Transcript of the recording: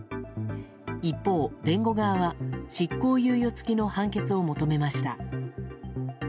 一方、弁護側は執行猶予付きの判決を求めました。